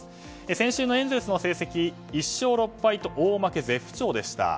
先週のエンゼルスの成績１勝６敗と大負け絶不調でした。